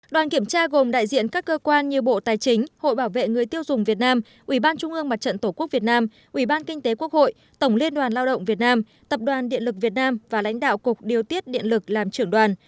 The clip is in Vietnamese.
đoàn kiểm tra gồm đại diện các cơ quan như bộ tài chính hội bảo vệ người tiêu dùng việt nam ubnd tổ quốc việt nam ubnd kinh tế quốc hội tổng liên đoàn lao động việt nam tập đoàn điện lực việt nam và lãnh đạo cục điều tiết điện lực làm trưởng đoàn